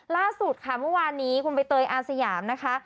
ล่าสุดค่ะเมื่อวานนี้คุณใบเตยอาสยามนะคะ